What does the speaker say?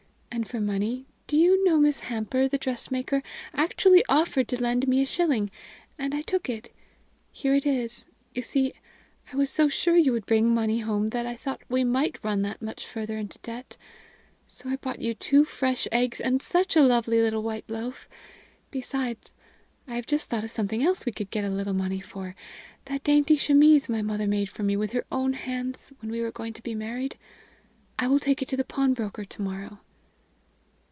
And for money, do you know Miss Hamper, the dressmaker, actually offered to lend me a shilling, and I took it. Here it is. You see, I was so sure you would bring money home that I thought we might run that much farther into debt. So I got you two fresh eggs and such a lovely little white loaf. Besides, I have just thought of something else we could get a little money for that dainty chemise my mother made for me with her own hands when we were going to be married. I will take it to the pawnbroker to morrow."